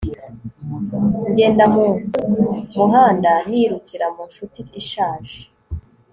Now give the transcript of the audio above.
Ngenda mu muhanda nirukira mu nshuti ishaje